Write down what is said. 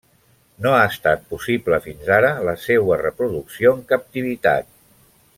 No ha estat possible fins ara la seua reproducció en captivitat.